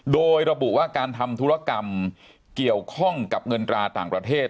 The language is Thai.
โดยระบุว่าการทำธุรกรรมเกี่ยวข้องกับเงินตราต่างประเทศ